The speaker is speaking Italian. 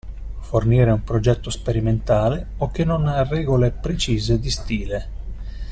Fornire un progetto sperimentale o che non ha regole precise di stile.